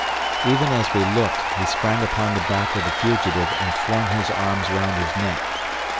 Even as we looked, he sprang upon the back of the fugitive and flung his arms round his neck.